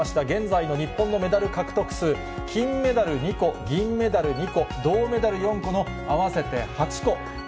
現在の日本のメダル獲得数、金メダル２個、銀メダル２個、銅メダル４個の合わせて８個。